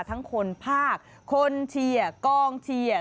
ทั้งคนภาคคนเชียร์กองเชียร์